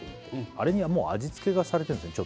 あれにもう味付けがされてんですね